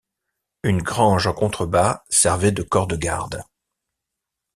Une grange en contrebas servait de corps de garde.